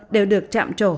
đều được chạm trổ